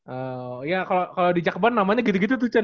oh iya kalo di jakbar namanya gitu gitu tuh cen